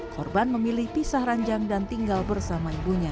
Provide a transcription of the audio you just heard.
korban memilih pisah ranjang dan tinggal bersama ibunya